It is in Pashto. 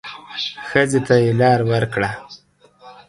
ښځې ته يې لار ورکړه.